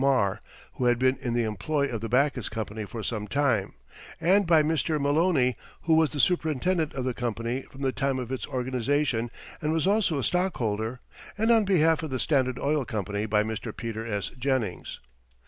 Marr, who had been in the employ of the Backus Company for some time, and by Mr. Maloney, who was the superintendent of the company from the time of its organization and was also a stockholder; and on behalf of the Standard Oil Company by Mr. Peter S. Jennings.